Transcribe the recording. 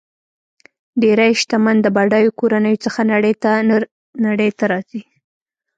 ډېری شتمن د بډایو کورنیو څخه نړۍ ته راځي.